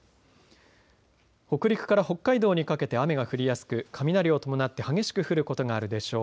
北陸から北海道にかけて雨が降りやすく、雷を伴って、激しく降ることがあるでしょう。